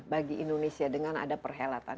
bagi indonesia dengan ada perhelatan